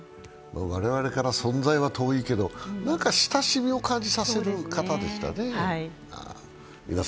我々から存在は遠いけど、何か親しみを感じさせる方でしたね。